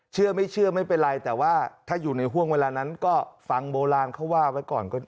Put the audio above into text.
เชื่อไม่เชื่อไม่เป็นไรแต่ว่าถ้าอยู่ในห่วงเวลานั้นก็ฟังโบราณเขาว่าไว้ก่อน